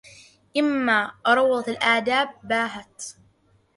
إذا ما روضة الآداب باهت